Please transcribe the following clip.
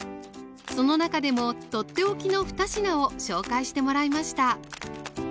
その中でも取って置きの２品を紹介してもらいました